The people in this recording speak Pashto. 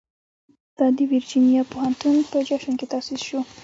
دا د ورجینیا پوهنتون په جشن کې تاسیس شو.